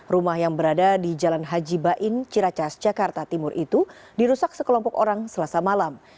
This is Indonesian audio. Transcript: rumah yang berada di jalan haji bain ciracas jakarta timur itu dirusak sekelompok orang selasa malam